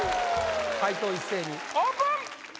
解答一斉にオープン！